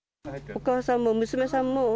お母さんも娘さんも。